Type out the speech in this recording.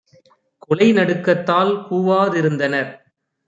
குலைநடுக் கத்தால் கூவா திருந்தனர்!